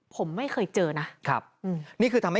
ผมไม่เคยเจอนะ